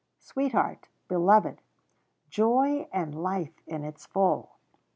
Sweetheart, beloved joy and life in its full